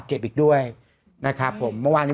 พี่ปั๊ดเดี๋ยวมาที่ร้องให้